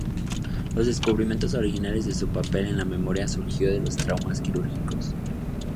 Los descubrimientos originales de su papel en la memoria surgió de los traumas quirúrgicos.